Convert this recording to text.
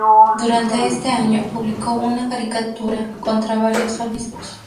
Durante este año publicó una caricatura contra varios obispos.